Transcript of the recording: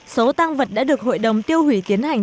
số tăng vật đã được hội đồng tiêu hủy tiến hành